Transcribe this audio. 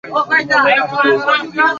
আসক্ত হয়ে গেছি।